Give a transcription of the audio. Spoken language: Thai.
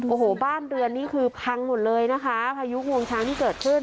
โอ้โหบ้านเรือนนี่คือพังหมดเลยนะคะพายุงวงช้างที่เกิดขึ้น